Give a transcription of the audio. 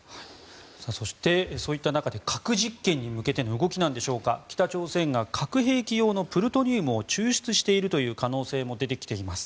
そして、そういった中で核実験に向けての動きなんでしょうか北朝鮮が核兵器用のプルトニウムを抽出しているという可能性も出てきています。